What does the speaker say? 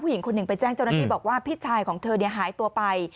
หญิงคนหนึ่งไปแจ้งเจ้าหน้าที่บอกว่าพี่ชายของเธอหายตัวไป